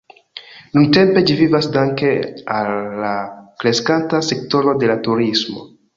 Nuntempe ĝi vivas danke al la kreskanta sektoro de la turismo.